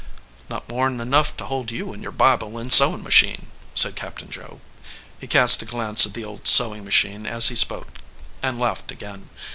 "Not more n enough to hold you and your Bible and sewin machine," said Captain Joe. He cast a glance at the old sewing machine as he spoke, and laughed again.